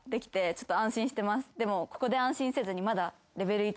でもここで安心せずに。